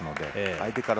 相手から